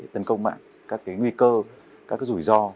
tấn công mạng các nguy cơ các rủi ro